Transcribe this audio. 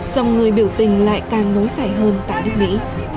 dòng người biểu tình lại càng nối xảy hơn tại nước mỹ